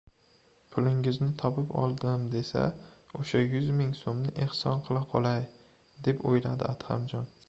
Pulingizni topib oldim deb oʻsha yuz ming soʻmni ehson qila qolay”, deb oʻyladi Adhamjon.